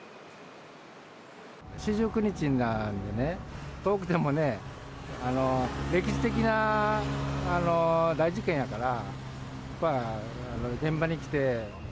四十九日なんでね、遠くてもね、歴史的な大事件やから、やっぱ、現場に来て。